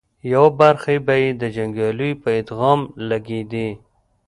يوه برخه به یې د جنګياليو په ادغام لګېدې